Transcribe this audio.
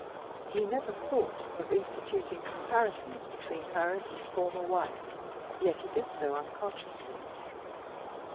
He never thought of instituting comparisons between her and his former wife, yet he did so unconsciously.